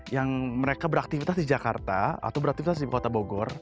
yang mereka beraktivitas di jakarta atau beraktivitas di kota bogor